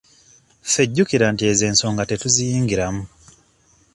Ffe jjukira nti ezo ensoga tetuziyingiramu.